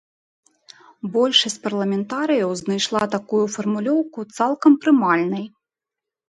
Большасць парламентарыяў знайшла такую фармулёўку цалкам прымальнай.